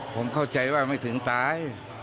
ผมเข้าใจว่าไม่ถึงตาย